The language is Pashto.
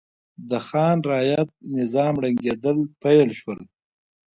د خان رعیت نظام ړنګېدل پیل شول.